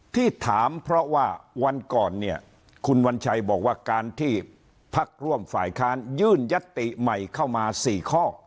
ที่ถามเพราะว่าวันก่อนเนี่ยคุณวัญชัยบอกว่าการที่พักร่วมฝ่ายค้านยื่นยัตติใหม่เข้ามา๔ข้อ